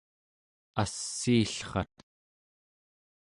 assiillrat